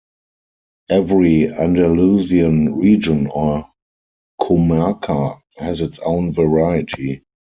Every Andalusian region or comarca has its own variety.